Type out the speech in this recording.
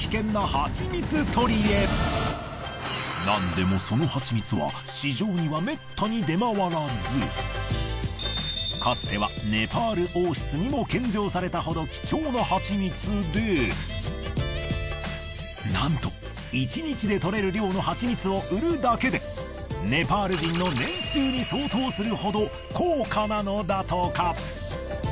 なんでもそのハチミツは市場にはめったに出回らずかつてはネパール王室にも献上されたほど貴重なハチミツでなんと１日で採れる量のハチミツを売るだけでネパール人の年収に相当するほど高価なのだとか。